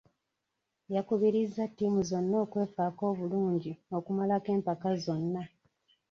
yakubirizza ttiimu zonna okwefaako obulungi okumalako empaka zonna.